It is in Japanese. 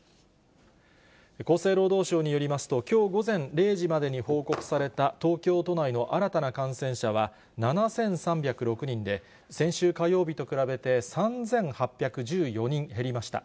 厚生労働省によりますと、きょう午前０時までに報告された東京都内の新たな感染者は７３０６人で、先週火曜日と比べて３８１４人減りました。